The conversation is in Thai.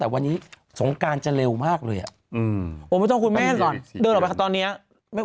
บางทีก็สองบางทีก็สาม